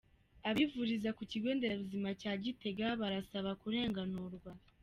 Abivuriza ku kigo nderabuzima cya Gitega barasaba kurenganurwa